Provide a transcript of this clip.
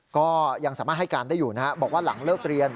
ก็ยังสามารถให้การได้อยู่นะครับบอกว่าหลังเลิกเรียน